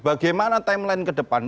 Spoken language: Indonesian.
bagaimana timeline ke depan